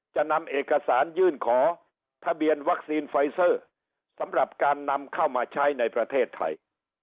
จะนำเอกสารยื่นขอทะเบียนวัคซีนไฟเซอร์สำหรับการนำเข้ามาใช้ในประเทศไทย